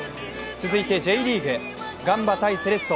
続いてＪリーグ、ガンバ×セレッソ。